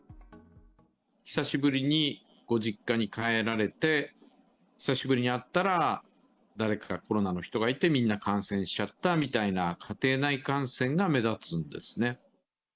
久しぶりご実家に帰られて、久しぶりに会ったら、誰かがコロナの人がいて、みんな感染しちゃったみたいな、家庭内感染が目立つんですね。